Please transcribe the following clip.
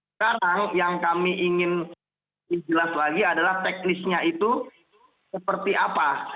sekarang yang kami ingin jelas lagi adalah teknisnya itu seperti apa